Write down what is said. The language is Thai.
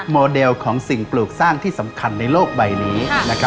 โมเดลของสิ่งปลูกสร้างที่สำคัญในโลกใบนี้